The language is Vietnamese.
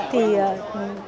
thì với cái không khí này